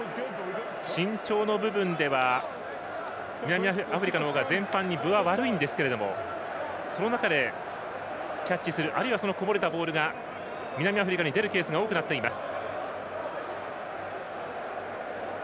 身長の部分では南アフリカの方が全般に分は悪いんですがその中で、キャッチするあるいはこぼれたボールが南アフリカに出るケースが多くなっています。